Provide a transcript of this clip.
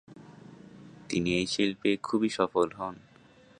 তিনি এই শিল্পে খুবই সফল হন।